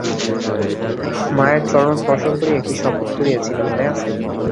মায়ের চরণ স্পর্শ করিয়া কী শপথ করিয়াছিলে মনে আছে?